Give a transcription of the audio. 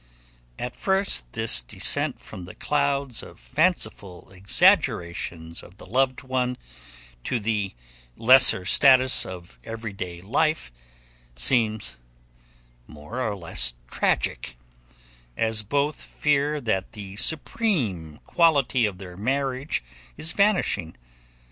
At first this descent from the clouds of fanciful exaggeration of the loved one to the lesser status of everyday life seems more or less tragic, as both fear that the supreme quality of their marriage is vanishing.